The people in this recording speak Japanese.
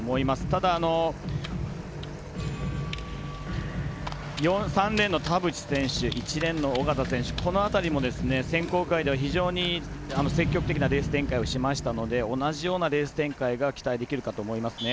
ただ、３レーンの田渕選手１レーンの小方選手も選考会では非常に積極的なレース展開をしてきましたので同じようなレースが期待できるかと思いますね。